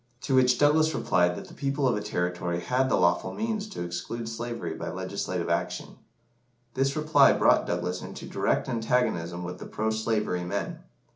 To which Douglas replied that the people of a territory had the lawful means to exclude slavery by legislative action. This reply brought Douglas into direct antagonism with the pro slavery men.